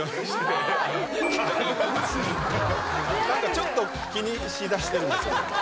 ちょっと気にしだしてるんですよ。